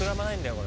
これ。